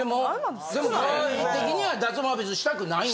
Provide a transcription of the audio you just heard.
でも河合的には脱毛は別にしたくないんや。